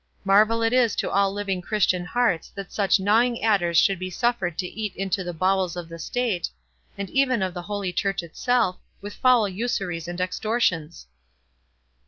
Marvel it is to all living Christian hearts that such gnawing adders should be suffered to eat into the bowels of the state, and even of the holy church herself, with foul usuries and extortions."